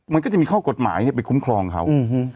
มันก็จะมีข้อกฎหมายไปคุ้มครองเขา